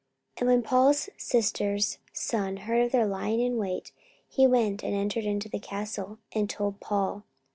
44:023:016 And when Paul's sister's son heard of their lying in wait, he went and entered into the castle, and told Paul.